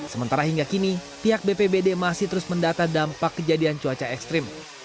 sementara hingga kini pihak bpbd masih terus mendata dampak kejadian cuaca ekstrim